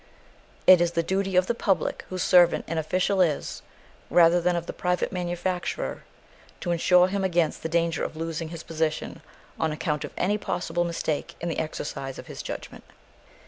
It is the duty of the public whose servant an official is, rather than of the private manufacturer, to insure him against the danger of losing his position on account of any possible mistake in the exercise of his judgment.